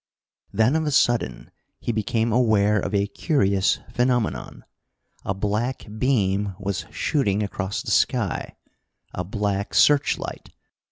Then of a sudden he became aware of a curious phenomenon. A black beam was shooting across the sky. A black searchlight!